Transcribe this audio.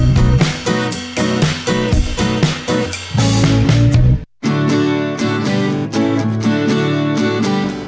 โอเค